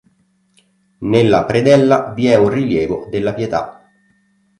Nella predella vi è un rilievo della Pietà.